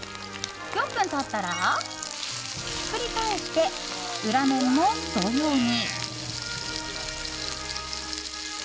４分経ったらひっくり返して裏面も同様に。